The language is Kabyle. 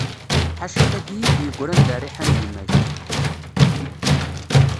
Ḥaca taki i yi-d-yegran d rriḥa n gma-k.